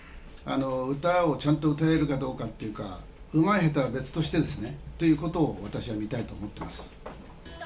歌をちゃんと歌えるかどうかというか、うまい、下手は別としてですねということを私は見たいと思ってます。